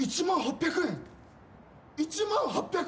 １万８００円嘘！？